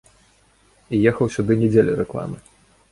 І ехаў сюды не дзеля рэкламы.